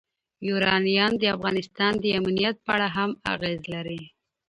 یورانیم د افغانستان د امنیت په اړه هم اغېز لري.